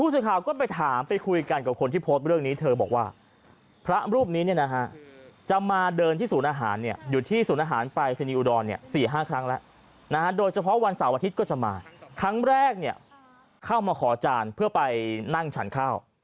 เฉพาะวันเสาร์อาทิตย์ก็จะมาครั้งแรกเข้ามาขอจานเพื่อไปนั่งฉันข้าว